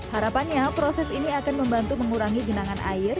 harapannya proses ini akan membantu mengurangi genangan air